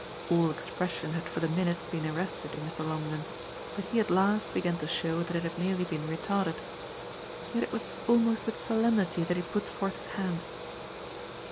All expression had for the minute been arrested in Mr. Longdon, but he at last began to show that it had merely been retarded. Yet it was almost with solemnity that he put forth his hand.